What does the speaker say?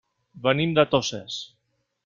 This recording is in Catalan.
Venim de Toses.